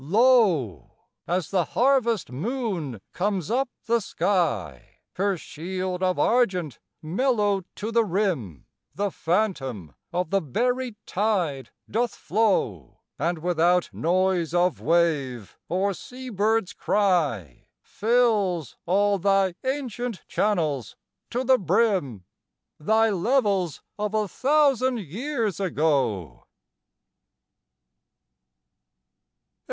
Lo, as the harvest moon comes up the sky, Her shield of argent mellowed to the rim, The phantom of the buried tide doth flow; And without noise of wave or sea bird's cry Fills all thy ancient channels to the brim, Thy levels of a thousand years ago!